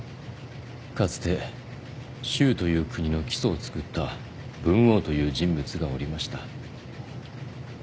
かつて周という国の基礎をつくった文王という人物がおりました。